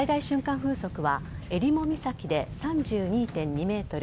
風速は襟裳岬で３２．２メートル